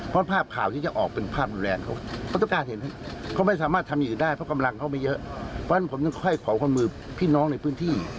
เพราะกำลังเค้าไม่เยอะเพราะฉะนั้นค่อยขอความมือพี่น้องในพื้นที่